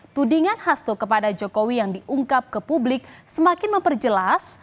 tudingan hasto kepada jokowi yang diungkap ke publik semakin memperjelas